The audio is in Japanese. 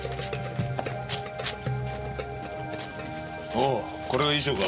おおこれが遺書か。